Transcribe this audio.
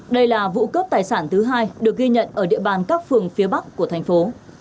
đây là vụ cướp tài sản thứ hai được ghi nhận ở địa bàn các phường phía bắc của thành phố